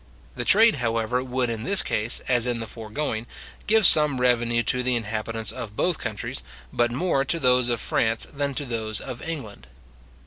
The trade, however, would in this case, as in the foregoing, give some revenue to the inhabitants of both countries, but more to those of France than to those of England.